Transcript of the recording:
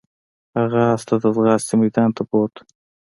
هغه اس ته د ځغاستې میدان ته بوت.